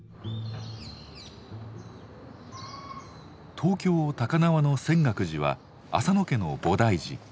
東京・高輪の泉岳寺は浅野家の菩提寺。